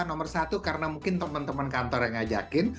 nomor satu karena mungkin teman teman kantor yang ngajakin